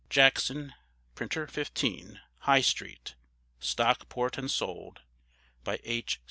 Jackson, Printer, 15, High Street, Stockport, & Sold by H.